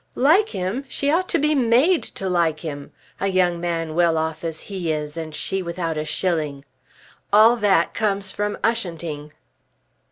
"Like him! She ought to be made to like him. A young man well off as he is, and she without a shilling! All that comes from Ushanting."